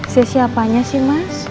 sia sia apanya sih mas